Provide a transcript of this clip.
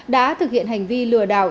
đã thực hiện hành vi lừa đảo